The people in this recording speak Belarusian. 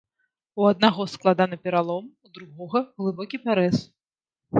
У аднаго складаны пералом, у другога глыбокі парэз.